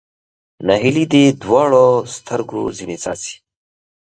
ناهیلي دې دواړو سترګو ځنې څاڅي